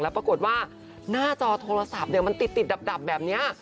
ปรากฏว่าหน้าจอโทรศัพท์มันติดดับแบบนี้